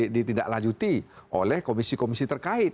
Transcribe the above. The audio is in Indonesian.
ditindaklanjuti oleh komisi komisi terkait